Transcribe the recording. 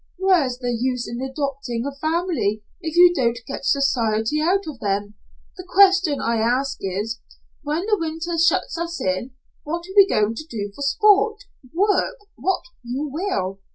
"Where's the use in adopting a family if you don't get society out of them? The question I ask is, when the winter shuts us in, what are we going to do for sport work what you will?